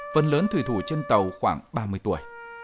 phần lớn thủy thủ trên tàu khoảng ba mươi tuổi